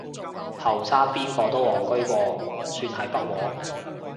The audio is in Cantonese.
後生邊個都戇居過，算係不枉